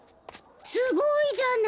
すごいじゃない！